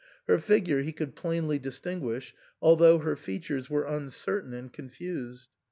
Her figure he could plainly distinguish, although her features were uncertain and confused.